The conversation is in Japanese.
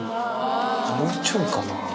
もうちょいかな。